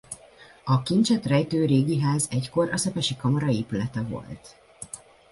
A kincset rejtő régi ház egykor a Szepesi Kamara épülete volt.